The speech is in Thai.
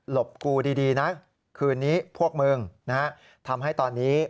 บกูดีนะคืนนี้พวกมึงนะฮะทำให้ตอนนี้